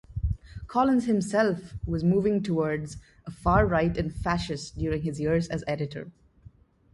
Collins himself was moving towards a far-right and fascist during his years as editor.